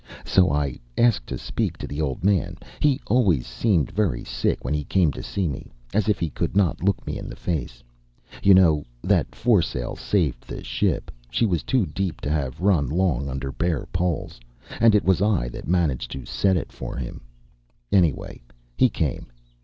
"So I asked to speak to the old man. He always seemed very sick when he came to see me as if he could not look me in the face. You know, that foresail saved the ship. She was too deep to have run long under bare poles. And it was I that managed to set it for him. Anyway, he came.